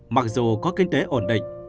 mặc dù có kinh tế ổn định